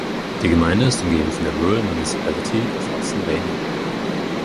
Die Gemeinde ist umgeben von der Rural Municipality of Hudson Bay No.